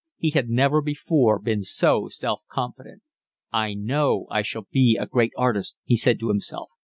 He had never before been so self confident. "I know I shall be a great artist," he said to himself.